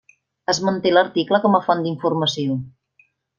Es manté l'article com a font d'informació.